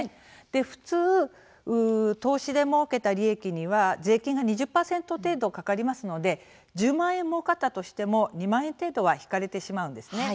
普通、投資でもうけた利益には税金が２０％程度かかりますので１０万円もうかったとしても２万円程度は引かれてしまうんですね。